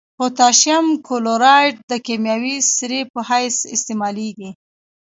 پوتاشیم کلورایډ د کیمیاوي سرې په حیث استعمالیږي.